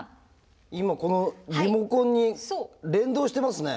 今このリモコンに連動してますね。